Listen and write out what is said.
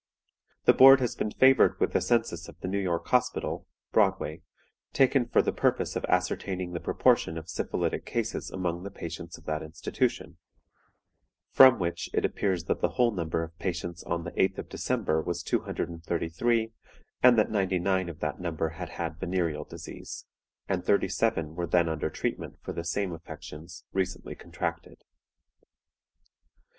"The Board has been favored with the census of the New York Hospital (Broadway), taken for the purpose of ascertaining the proportion of syphilitic cases among the patients of that institution; from which it appears that the whole number of patients on the 8th of December was 233, and that 99 of that number had had venereal disease, and 37 were then under treatment for the same affections recently contracted.